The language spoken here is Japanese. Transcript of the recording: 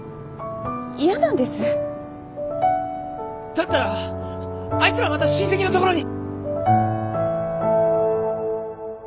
だったらあいつらまた親戚のところに。